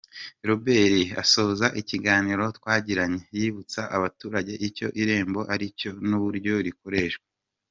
Robert asoza ikiganiro twagiranye yibutsa abaturage icyo Irembo aricyo n’uburyo rikoreshwa.